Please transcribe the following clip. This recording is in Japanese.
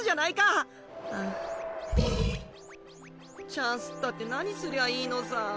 チャンスったって何すりゃいいのさ。